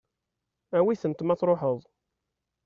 Awi-tent ma tṛuḥeḍ.